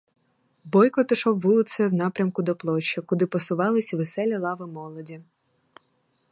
Бойко пішов вулицею в напрямку до площі, куди посувались веселі лави молоді.